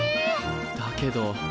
だけど。